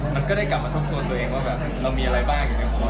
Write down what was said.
มันก็ได้กลับมาทบทวนตัวเองว่าแบบเรามีอะไรบ้างอยู่ในหัว